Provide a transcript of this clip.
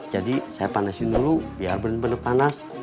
jadi saya panasin dulu biar bener bener panas